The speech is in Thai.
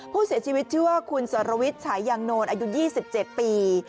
ผู้เสียชีวิตชื่อว่าคุณสรวิทย์ฉายางโนนอายุ๒๗ปี